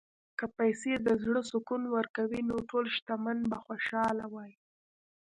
که پیسې د زړه سکون ورکولی، نو ټول شتمن به خوشاله وای.